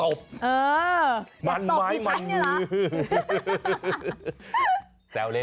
เอออยากตบพี่ฉันเนี่ยหรอมันไม้มันมื้อ